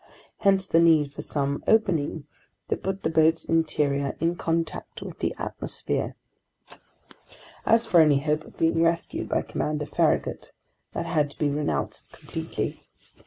Hence the need for some opening that put the boat's interior in contact with the atmosphere. As for any hope of being rescued by Commander Farragut, that had to be renounced completely.